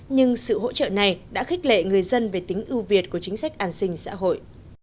nhưng sự hỗ trợ này đã khích lệ người dân về tính ưu việt của chính sách an sinh xã hội